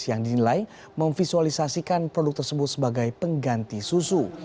yang dinilai memvisualisasikan produk tersebut sebagai pengganti susu